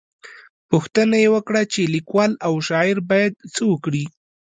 _پوښتنه يې وکړه چې ليکوال او شاعران بايد څه وکړي؟